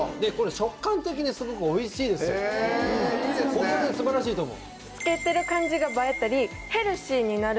これは素晴らしいと思う。